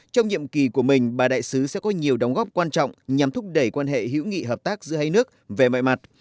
trong nhiệm kỳ của mình bà đại sứ sẽ có nhiều đóng góp quan trọng nhằm thúc đẩy quan hệ hữu nghị hợp tác giữa hai nước về mọi mặt